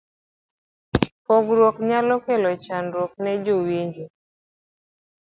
pogruok nyalo kelo chandruok ne jawinjo ni